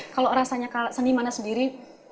kalau rasanya seni mana sendiri